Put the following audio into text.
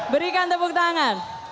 berikan tepuk tangan